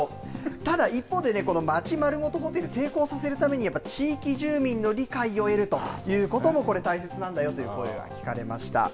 ただ一方で、町まるごとホテル、成功させるために、やっぱり地域住民の理解を得るということもこれ大切なんだよという声が聞かれました。